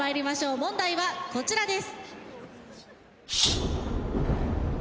問題はこちらです。